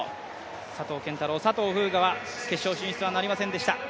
佐藤拳太郎、佐藤風雅は決勝進出はなりませんでした。